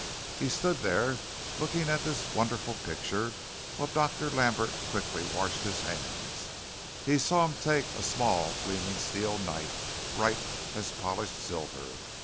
He stood there looking at this wonderful picture while Dr. Lambert quickly washed his hands. He saw him take a small gleaming steel knife bright as polished silver.